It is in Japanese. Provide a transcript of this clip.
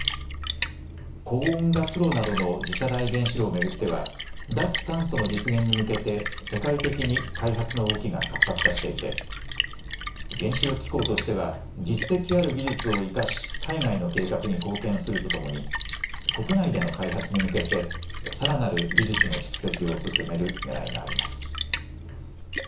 高温ガス炉などの次世代原子炉を巡っては脱炭素の実現に向けて世界的に開発の動きが活発化していて原子力機構としては実績ある技術を生かし海外の計画に貢献するとともに国内での開発に向けてさらなる技術の蓄積を進めるねらいがあります。